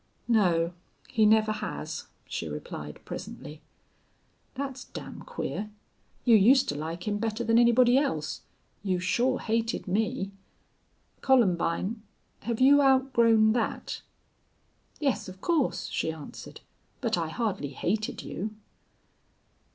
"No. He never has," she replied, presently. "That's damn queer. You used to like him better than anybody else. You sure hated me.... Columbine, have you outgrown that?" "Yes, of course," she answered. "But I hardly hated you."